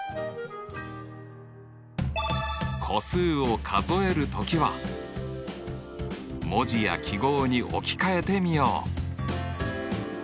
個数を数える時は文字や記号に置き換えてみよう！